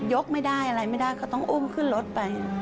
กไม่ได้อะไรไม่ได้เขาต้องอุ้มขึ้นรถไป